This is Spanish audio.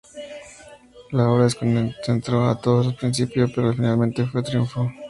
La obra desconcertó a todos al principio, pero finalmente fue un triunfo.